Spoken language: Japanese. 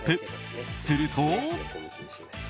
すると。